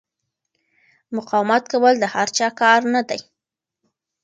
مقاومت کول د هر چا کار نه دی.